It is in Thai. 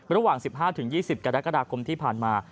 ระหว่าง๑๕๒๐กรกฎาคมที่ผ่านมา